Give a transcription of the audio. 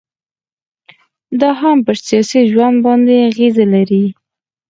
دا هم پر سياسي ژوند باندي اغيزي لري